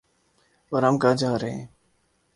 اورہم کہاں جارہے ہیں؟